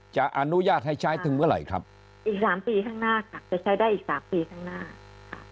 จะอนุญาตให้ใช้ถึงเมื่อไหร่ครับอีกสามปีข้างหน้าค่ะจะใช้ได้อีกสามปีข้างหน้าค่ะ